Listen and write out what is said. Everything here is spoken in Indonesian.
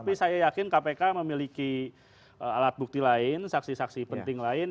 tapi saya yakin kpk memiliki alat bukti lain saksi saksi penting lain